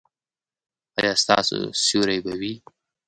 ایا ستاسو سیوری به وي؟